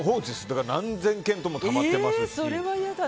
だから何千件とかたまってますし。